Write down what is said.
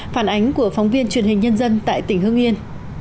phản ánh của phóng viên truyền hình nhân dân tại tỉnh hương yên